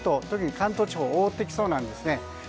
特に関東地方を覆ってきそうなんですね。